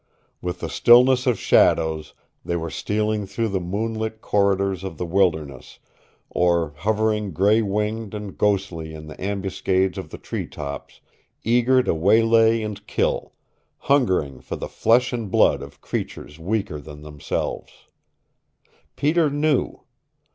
With the stillness of shadows they were stealing through the moonlit corridors of the wilderness, or hovering gray winged and ghostly in the ambuscades of the treetops, eager to waylay and kill, hungering for the flesh and blood of creatures weaker than themselves. Peter knew.